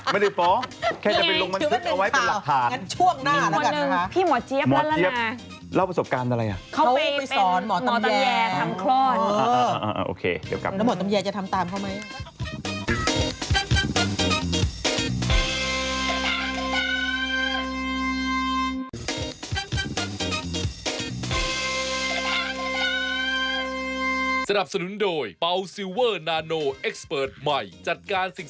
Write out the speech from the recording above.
ไม่ได้ฟ้องแค่จะไปลงมันซึ้งเอาไว้เป็นหลักฐาน